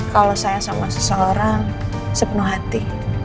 kalau saya sama seseorang sepenuh hati